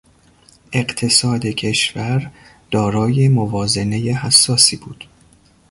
اقتصاد کشور دارای موازنهی حساسی بود.